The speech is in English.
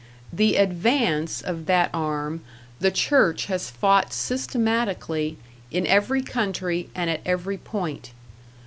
The advance of that arm the church has fought systematically, in every country, and at every point.